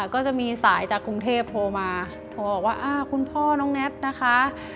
ก็จะมีสายจากกรุงเทพโทรมาโทรบอกว่าคุณพ่อน้องแน็ตนะคะ